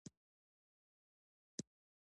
ځمکه د افغانستان د ځمکې د جوړښت یوه ښکاره نښه ده.